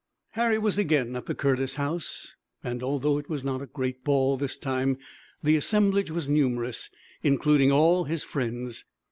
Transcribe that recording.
Harry was again at the Curtis house, and although it was not a great ball this time the assemblage was numerous, including all his friends.